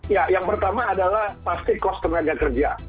ya yang pertama adalah pasti kos tenaga kerja